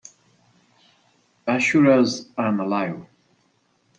As sure as I am alive.